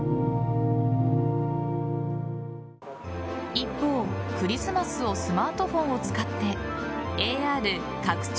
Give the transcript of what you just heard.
一方、クリスマスをスマートフォンを使ってＡＲ＝拡張